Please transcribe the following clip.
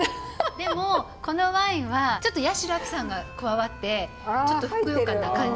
でもこのワインはちょっと八代亜紀さんが加わってちょっとふくよかな感じ？